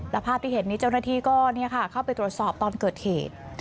และภาพที่เห็นนี้เจ้าหน้าที่ก็เข้าไปตรวจสอบตอนเกิดเหตุ